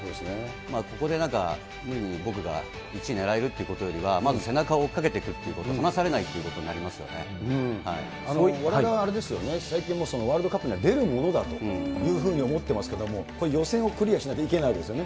ここでなんか、無理に僕が１位狙えるということよりは、まず背中を追いかけていくっていう子と、離されないということにわれわれもですけど、最近はワールドカップには出るものだというふうに思ってますけれども、予選をクリアしないと行けないですよね。